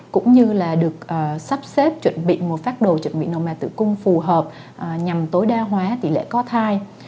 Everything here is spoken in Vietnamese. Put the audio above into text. cũng như là được sắp xếp chuẩn bị một phát đồ chuẩn bị nồng mà tử cung phù hợp nhằm tối đa hóa tỷ lệ có thai